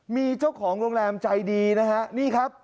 มีเจ้าของโรงแรมใจดี